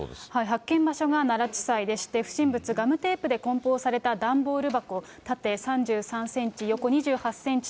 発見場所が奈良地裁でして、不審物、ガムテープでこん包された段ボール箱、縦３３センチ、横２８センチ